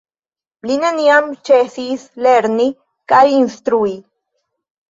Li neniam ĉesis lerni kaj instrui.